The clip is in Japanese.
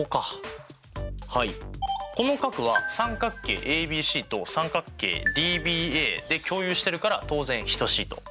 この角は三角形ＡＢＣと三角形ＤＢＡで共有してるから当然等しいと。